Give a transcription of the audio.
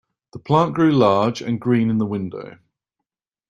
The plant grew large and green in the window.